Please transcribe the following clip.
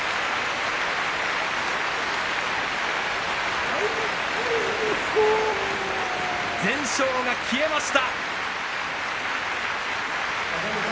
拍手全勝が消えました。